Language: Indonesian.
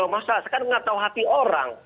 masalah saya kan nggak tahu hati orang